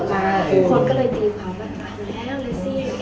คนก็เลยตีความว่าไปแล้วเลเซีย